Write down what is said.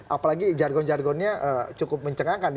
apalagi jargon jargonnya cukup mencengangkan